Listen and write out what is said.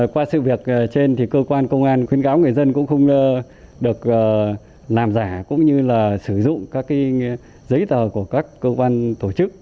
qua sự việc trên thì cơ quan công an khuyên cáo người dân cũng không được làm giả cũng như là sử dụng các giấy tờ của các cơ quan tổ chức